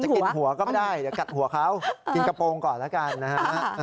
กินหัวก็ไม่ได้เดี๋ยวกัดหัวเขากินกระโปรงก่อนแล้วกันนะฮะ